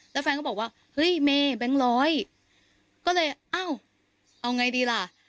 แล้วแฟนก็บอกว่าเฮ้ยเมย์แบงค์ร้อยก็เลยเอ้าเอาไงดีล่ะ